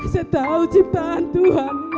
setahu ciptaan tuhan